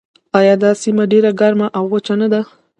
آیا دا سیمه ډیره ګرمه او وچه نه ده؟